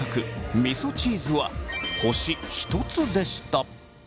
みそチーズは星１つでした。